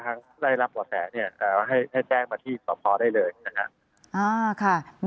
ถ้าได้รับบ่อแสให้แจ้งมาที่สตภได้เลยนะครับ